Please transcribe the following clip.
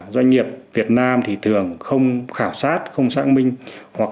doanh nghiệp việt nam thì thường không khảo sát không xác minh hoặc